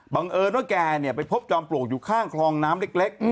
เอิญว่าแกไปพบจอมปลวกอยู่ข้างคลองน้ำเล็ก